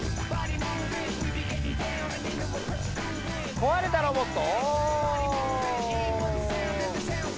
こわれたロボット。